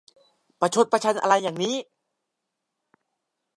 ประชดประชันอะไรอย่างนี้ !